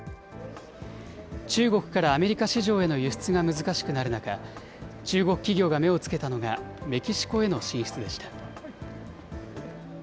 中国からアメリカ市場への輸出が難しくなる中、中国企業が目をつけたのが、メキシコへの進出でした。